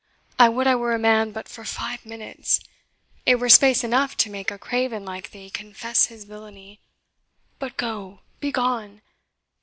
I would I were a man but for five minutes! It were space enough to make a craven like thee confess his villainy. But go begone!